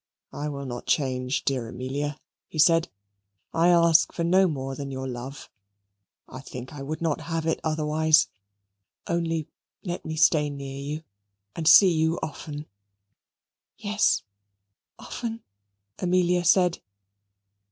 "I will not change, dear Amelia," he said. "I ask for no more than your love. I think I would not have it otherwise. Only let me stay near you and see you often." "Yes, often," Amelia said.